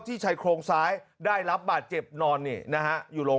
ชายโครงซ้ายได้รับบาดเจ็บนอนนี่นะฮะอยู่โรง